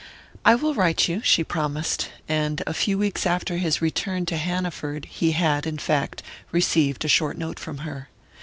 "I will write you," she promised; and a few weeks after his return to Hanaford he had, in fact, received a short note from her.